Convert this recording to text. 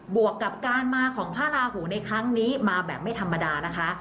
วกกับการมาของพระราหูในครั้งนี้มาแบบไม่ธรรมดานะคะ